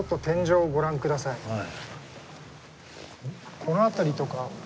この辺りとか。